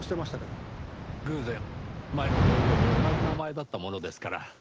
偶然前の同僚と同じ名前だったものですから。